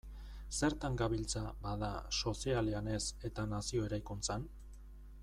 Zertan gabiltza, bada, sozialean ez eta nazio eraikuntzan?